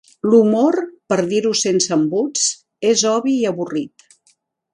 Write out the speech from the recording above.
L'humor, per dir-ho sense embuts, és obvi i avorrit...